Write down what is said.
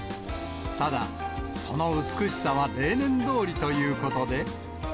ただ、その美しさは例年どおりということで。